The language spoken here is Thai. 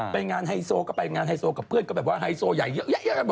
ไปงานไฮโซก็ไปงานไฮโซกับเพื่อนก็แบบว่าไฮโซใหญ่เยอะแยะไปหมด